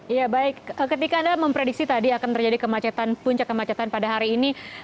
ya baik ketika anda memprediksi tadi akan terjadi kemacetan puncak kemacetan pada hari ini